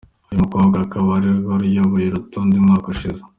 Uyu mukobwa akaba ari we wari uyoboye uru rutonde umwaka ushize.